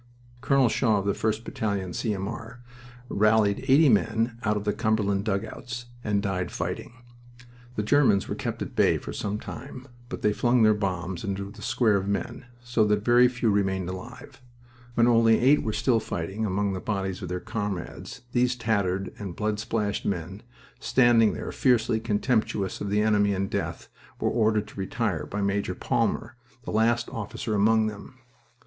Colonel Shaw of the 1st Battalion, C.M.R., rallied eighty men out of the Cumberland dugouts, and died fighting. The Germans were kept at bay for some time, but they flung their bombs into the square of men, so that very few remained alive. When only eight were still fighting among the bodies of their comrades these tattered and blood splashed men, standing there fiercely contemptuous of the enemy and death, were ordered to retire by Major Palmer, the last officer among them.